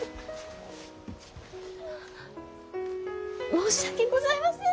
申し訳ございません！